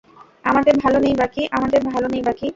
আমাদের ভালো নেই বাকি, আমাদের ভালো নেই বাকি।